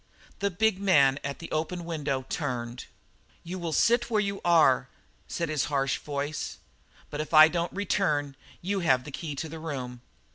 The big man at the open window turned. "You will sit where you are now," said his harsh voice, "but if I don't return you have the key to the room."